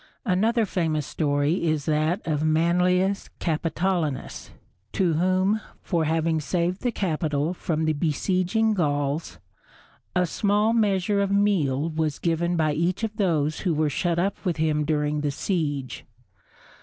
Another famous story is that of Manlius Capitolinus, to whom, for having saved the Capitol from the besieging Gauls, a small measure of meal was given by each of those who were shut up with him during the siege.